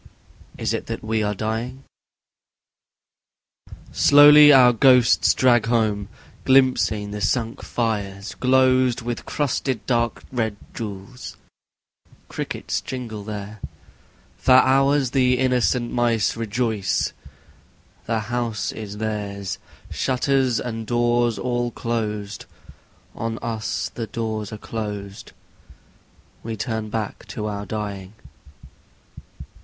Is it that we are dying? Slowly our ghosts drag home: glimpsing the sunk fires glozed With crusted dark red jewels; crickets jingle there; For hours the innocent mice rejoice: the house is theirs; Shutters and doors all closed: on us the doors are closed We turn back to our dying.